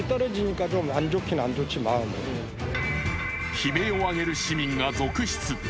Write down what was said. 悲鳴を上げる市民が続出。